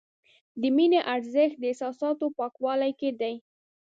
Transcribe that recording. د مینې ارزښت د احساساتو پاکوالي کې دی.